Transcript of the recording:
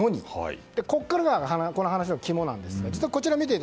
ここからがこの話の肝なんですが。